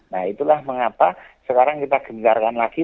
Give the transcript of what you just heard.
nah itulah mengapa sekarang kita gentarkan lagi